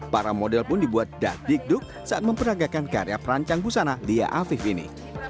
para model pun dibuat dadikduk saat memperagakan karya perancang busana lia afif ini